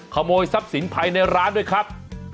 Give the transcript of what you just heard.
ขโมยทรัพย์สินภายในร้านด้วยครับ